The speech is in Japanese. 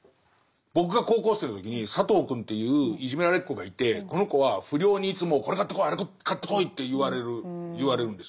僕が高校生の時に佐藤くんといういじめられっ子がいてこの子は不良にいつもこれ買ってこいあれ買ってこいって言われるんです。